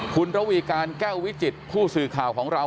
คุณระวีการแก้ววิจิตผู้สื่อข่าวของเรา